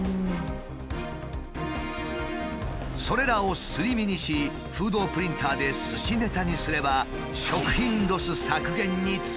それらをすり身にしフードプリンターですしネタにすれば食品ロス削減につながるというわけだ。